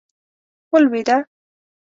ولوېده.